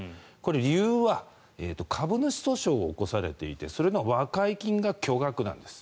理由は株主訴訟を起こされていてそれの和解金が巨額なんです。